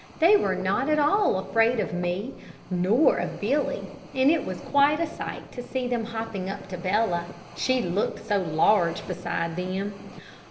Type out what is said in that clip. They were not at all afraid of me nor of Billy, and it was quite a sight to see them hopping up to Bella, She looked so large beside them.